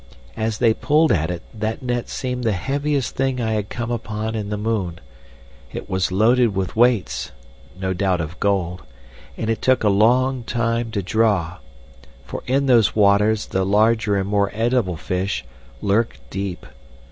As they pulled at it that net seemed the heaviest thing I had come upon in the moon; it was loaded with weights—no doubt of gold—and it took a long time to draw, for in those waters the larger and more edible fish lurk deep.